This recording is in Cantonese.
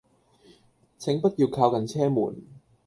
請不要靠近車門